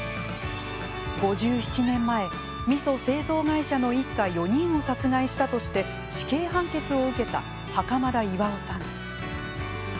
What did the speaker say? ５７年前、みそ製造会社の一家４人を殺害したとして死刑判決を受けた袴田巌さん。